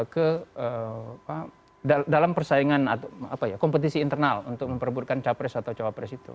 ke dalam persaingan atau apa ya kompetisi internal untuk memperburukan capres atau cawapres itu